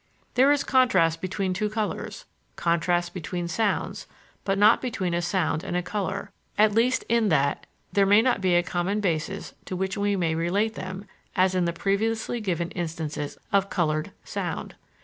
There is contrast between two colors, contrast between sounds, but not between a sound and a color, at least in that there may not be a common basis to which we may relate them, as in the previously given instances of "colored" sound.